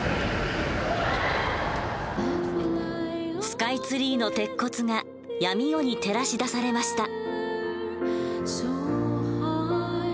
スカイツリーの鉄骨が闇夜に照らし出されました。